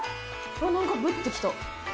あっ何かブッてきた。